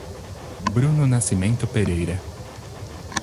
Bruno Nascimento Pereira